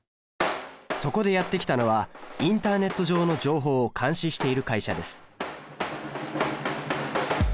そこでやって来たのはインターネット上の情報を監視している会社です